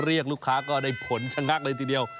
เรียกลูกค้าก็ได้ผลชะงักเลยทีเดียว